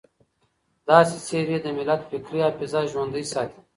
داسې څېرې د ملت فکري حافظه ژوندۍ ساتي.